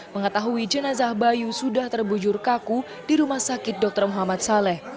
mengetahui jenazah bayu sudah terbujur kaku di rumah sakit dr muhammad saleh